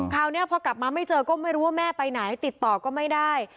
คราวนี้พอกลับมาไม่เจอก็ไม่รู้ว่าแม่ไปไหนติดต่อก็ไม่ได้